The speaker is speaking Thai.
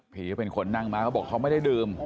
เป็นคนนั่งมาเขาบอกเขาไม่ได้ดื่ม